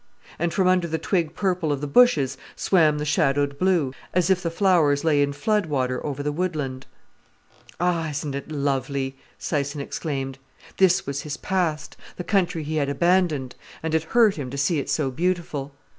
And from under the twig purple of the bushes swam the shadowed blue, as if the flowers lay in flood water over the woodland. "Ah, isn't it lovely!" Syson exclaimed; this was his past, the country he had abandoned, and it hurt him to see it so beautiful.